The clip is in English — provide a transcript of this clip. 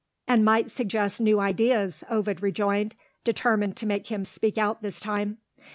"And might suggest new ideas," Ovid rejoined, determined to make him speak out this time.